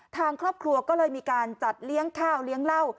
ทางครอบครัวก็เลยมีการจัดเลี้ยงข้าวเลี้ยงเหล้า